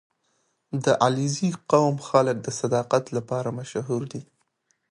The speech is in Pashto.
• د علیزي قوم خلک د صداقت لپاره مشهور دي.